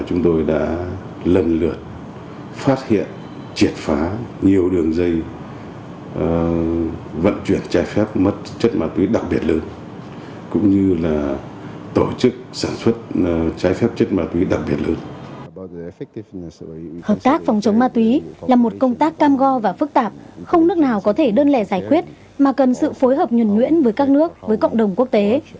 hợp tác phòng chống ma túy là một công tác cam go và phức tạp không nước nào có thể đơn lẻ giải quyết mà cần sự phối hợp nhuẩn nhuyễn với các nước với cộng đồng quốc tế